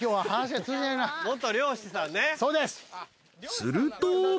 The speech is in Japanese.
［すると］